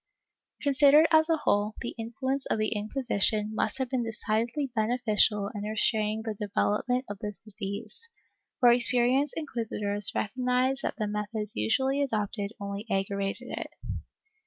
^ Considered as a whole, the influence of the Inquisition must have been decidedly beneficial in restraining the development of this disease, for experienced inquisitors recognized that the methods usually adopted only aggravated it.